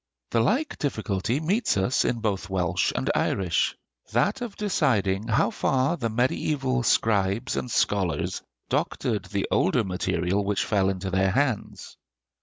The like difficulty meets us in both Welsh and Irish: that of deciding how far the mediæval scribes and scholars doctored the older material which fell into their hands.